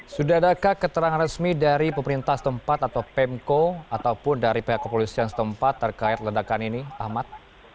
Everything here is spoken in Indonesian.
sudah adakah keterangan resmi dari pemerintah setempat atau pemko ataupun dari pihak kepolisian setempat terkait ledakan ini ahmad